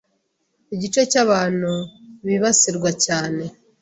Igice cy’abantu bibasirwa cyane